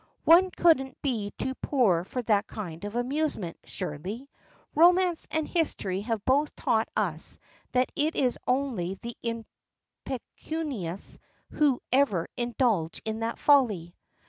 "One couldn't be too poor for that kind of amusement, surely. Romance and history have both taught us that it is only the impecunious who ever indulge in that folly."